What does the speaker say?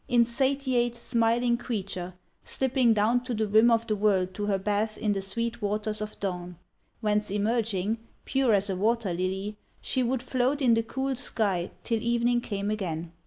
Insatiate, smiling creature, slipping down to the rim of the world to her bath in the sweet waters of dawn, whence emerging, pure as a water lily, she would float in the cool sky till evening came again!